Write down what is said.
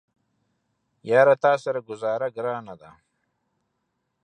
یاره تاسره ګوزاره ګرانه ده